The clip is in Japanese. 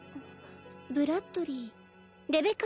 ブラッドリィレベッカ